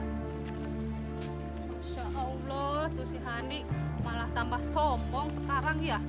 insya allah tuh si hani malah tambah sombong sekarang ya